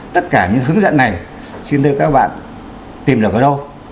tất cả những hướng dẫn này xin đưa các bạn tìm được ở đâu